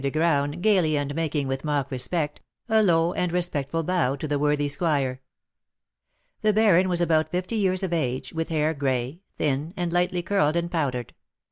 de Graün, gaily, and making, with mock respect, a low and respectful bow to the worthy squire. The baron was about fifty years of age, with hair gray, thin, and lightly curled and powdered.